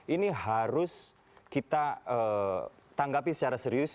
ini harus kita tanggapi secara serius